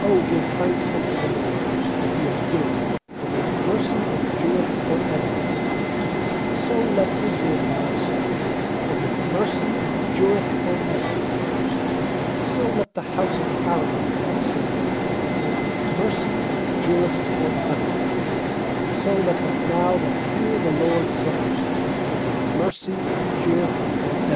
1 1 ft '0 give thanks unto the LORD. 1X0 for He is good, For His mercy endureth for ever/ 2So let Israel now say, For His mercy endureth for ever. 8So let the bouse of Aaron now say, For His mercy endureth for ever. 4So let them now that fear the* LORD say, For His mercy endureth for ever.